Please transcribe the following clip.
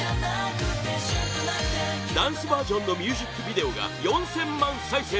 ダンスバージョンのミュージックビデオが４０００万再生